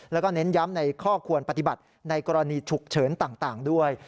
แล้วก็เน้นย้ำในข้อควรปฏิบัติในกรณีฉุกเฉินต่างด้วย